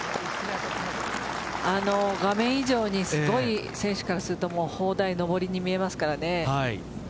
画面以上にすごい選手からすると砲台、上りに見えますからね。